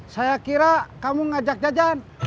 saya kira kamu ngajak jajan